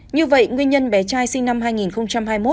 như vậy nguyên nhân bé trai sinh năm hai nghìn hai mươi một